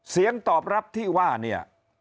เสียงตอบรับที่ว่าเนี่ย